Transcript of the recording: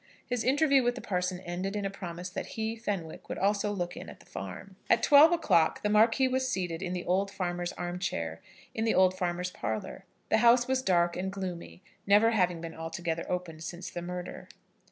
His interview with the parson ended in a promise that he, Fenwick, would also look in at the farm. At twelve o'clock the Marquis was seated in the old farmer's arm chair, in the old farmer's parlour. The house was dark and gloomy, never having been altogether opened since the murder.